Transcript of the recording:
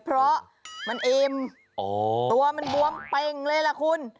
เพราะมันเอ็มตัวมันบวมเป่งเลยล่ะคุณ